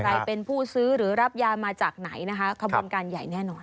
ใครเป็นผู้ซื้อหรือรับยามาจากไหนนะคะขบวนการใหญ่แน่นอน